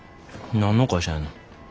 何の会社やんの？